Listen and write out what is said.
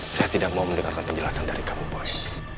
saya tidak mau mendengarkan penjelasan dari kamu baik